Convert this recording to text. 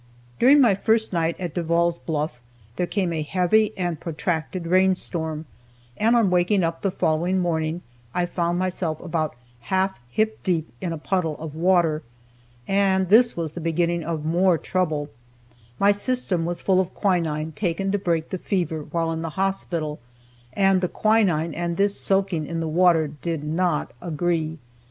During my first night at Devall's Bluff there came a heavy and protracted rain storm, and on waking up the following morning I found myself about half hip deep in a puddle of water. And this was the beginning of more trouble. My system was full of quinine taken to break the fever while in the hospital, and the quinine and this soaking in the water did not agree.